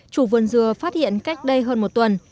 chủ vườn dừa phát hiện cách đây hơn một tuần